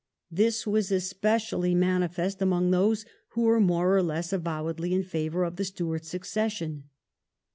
This was especially manifest among those who were more or less avowedly in favour of the Stuart succession.